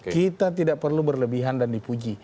kita tidak perlu berlebihan dan dipuji